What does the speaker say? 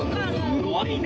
すごいね！